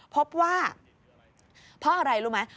พบว่าเพราะอะไรรู้ไหม